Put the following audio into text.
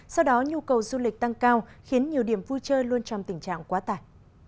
sau đó nhu cầu du lịch tăng cao khiến nhiều điểm vui chơi luôn trong tình trạng quá tải